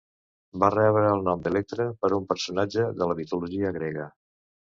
Va rebre el nom d'Electra, per un personatge de la mitologia grega.